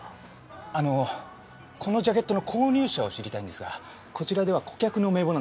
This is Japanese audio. あのこのジャケットの購入者を知りたいんですがこちらでは顧客の名簿なんかは？